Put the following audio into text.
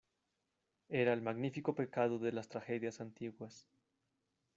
era el magnífico pecado de las tragedias antiguas.